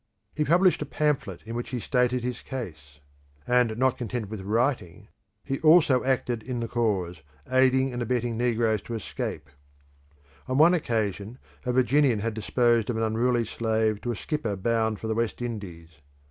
He published a pamphlet in which he stated his case; and not content with writing, he also acted in the cause, aiding and abetting negroes to escape. On one occasion a Virginian had disposed of an unruly slave to a skipper bound for the West Indies.